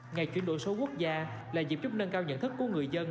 ngày chuyển đổi số quốc gia là dịp chúc nâng cao nhận thức của người dân